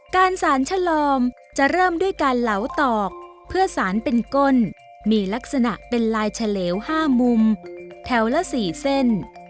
การสารฉลอมจะเริ่มด้วยการเหลาตอกเพื่อสารเป็นก้นมีลักษณะเป็นลายเฉลว๕มุมแถวละ๔เส้น